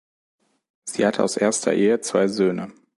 Sie hat aus erster Ehe zwei Söhne.